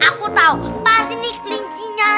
aku dapat kelinci nya